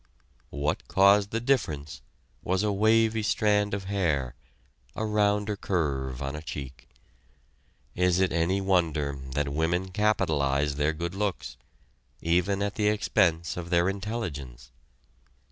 What caused the difference was a wavy strand of hair, a rounder curve on a cheek. Is it any wonder that women capitalize their good looks, even at the expense of their intelligence?